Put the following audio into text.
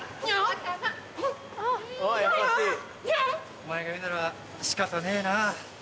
お前が言うなら仕方ねえな。